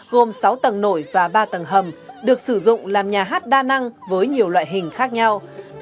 gồm sáu tầng nổi và ba tầng hầm được sử dụng làm nhà hát đa năng với nhiều loại hình khác nhau